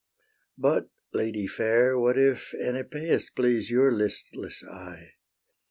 But, lady fair, What if Enipeus please Your listless eye?